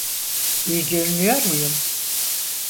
İyi görünüyor muyum?